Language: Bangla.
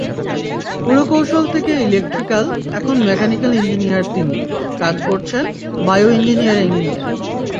পুরকৌশল থেকে ইলেকট্রিক্যাল, এখন মেকানিক্যাল ইঞ্জিনিয়ার তিনি, কাজ করছেন বায়ো-ইঞ্জিনিয়ারিং নিয়ে।